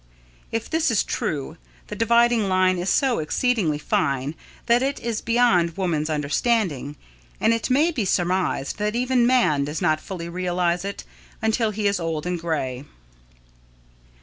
If this is true, the dividing line is so exceedingly fine that it is beyond woman's understanding, and it may be surmised that even man does not fully realise it until he is old and grey.